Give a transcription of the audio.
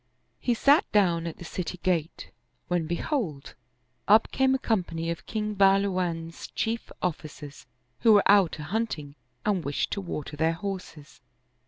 He sat down at the city gate, when behold, up came a company of King Bahlu wan's chief officers, who were out a hunting and wished to water their horses.